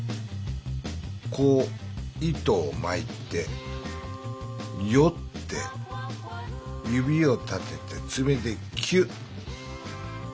こう糸をまいてよって指を立ててつめでキュッ。